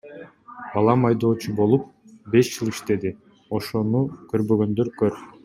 Балам айдоочу болуп, беш жыл иштеди, ошону көрбөгөндөр көр.